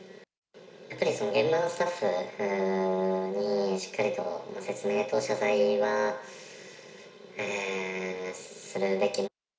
やっぱり現場のスタッフに、しっかりと説明と謝罪はするべき。